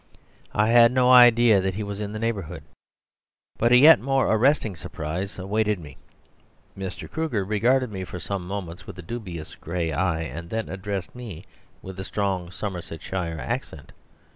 I had no idea that he was in the neighbourhood. But a yet more arresting surprise awaited me. Mr. Kruger regarded me for some moments with a dubious grey eye, and then addressed me with a strong Somersetshire accent.